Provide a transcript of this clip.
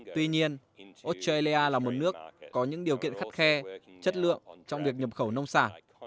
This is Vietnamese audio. tuy nhiên australia là một nước có những điều kiện khắt khe chất lượng trong việc nhập khẩu nông sản